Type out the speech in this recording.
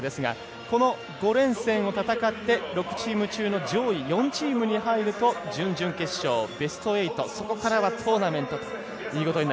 この５連戦を戦って６チーム中の上位４チームに入ると準々決勝、ベスト８そこからはトーナメント。